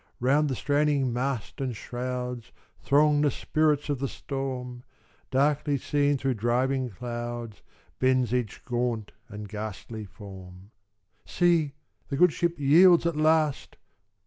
"Round the straining mast and shrouds Throng the spirits of the storm: Darkly seen through driving clouds, Bends each gaunt and ghastly form. "See! The good ship yields at last!